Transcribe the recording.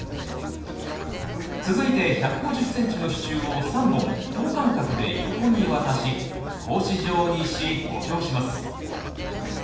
続いて１５０ｃｍの支柱を３本等間隔で横に渡し格子状にし補強します。